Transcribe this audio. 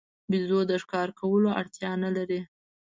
بیزو د ښکار کولو اړتیا نه لري.